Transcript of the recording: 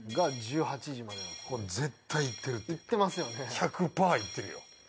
１００パー行ってるよ。